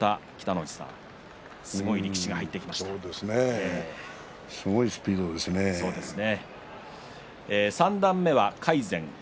すごいスピードですね。